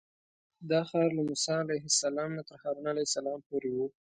دا ښار له موسی علیه السلام نه تر هارون علیه السلام پورې و.